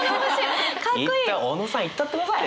小野さんいったってください。